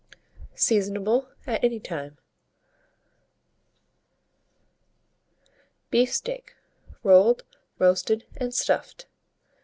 Seasonable at any time. BEEF STEAK, Rolled, Roasted, and Stuffed.